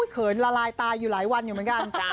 เขินละลายตายอยู่หลายวันอยู่เหมือนกัน